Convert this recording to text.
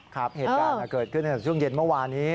ครับเหตุการณ์เกิดขึ้นในช่วงเย็นเมื่อวานนี้